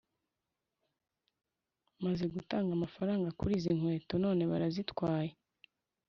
Maze gutanga amafaranga kurizi nkweto none barazitwaye